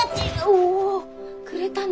おおくれたの？